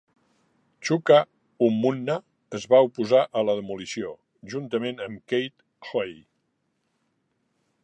Chuka Umunna es va oposar a la demolició, juntament amb Kate Hoey.